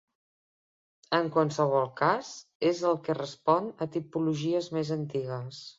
En qualsevol cas és el que respon a tipologies més antigues.